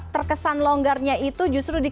terkesan longgarnya itu justru di